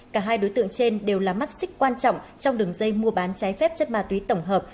cả hai đối tượng trên đều là mắt xích quan trọng trong đường dây mua bán trái phép chất ma túy tổng hợp